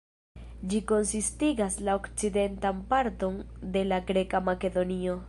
Ĝi konsistigas la okcidentan parton de la greka Makedonio.